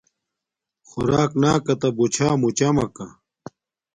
خوراک ناکاتہ بوچھا موچامکہ